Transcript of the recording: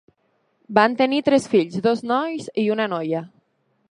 Van tenir tres fills, dos nois i una noia.